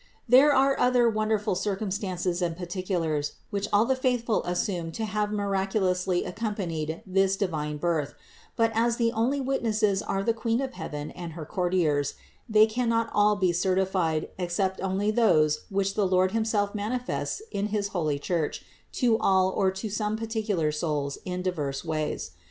476. There are other wonderful circumstances and par ticulars, which all the faithful assume to have miracu lously accompanied this most divine Birth; but as the only witnesses were the Queen of heaven and her cour tiers, they cannot all be certified, except only those which THE INCARNATION 399 the Lord himself manifests in his holy Church to all or to some particular souls in diverse ways.